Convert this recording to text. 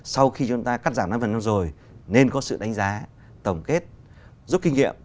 sau khi chúng ta cắt giảm năm phần năm rồi nên có sự đánh giá tổng kết rút kinh nghiệm